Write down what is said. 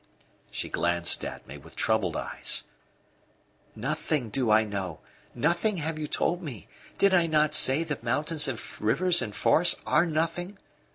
She glanced at me with troubled eyes. "Nothing do I know nothing have you told me. Did I not say that mountains and rivers and forests are nothing?